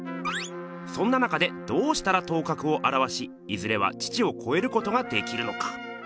そんな中でどうしたら頭角をあらわしいずれは父をこえることができるのか。